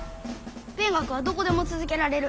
勉学はどこでも続けられる。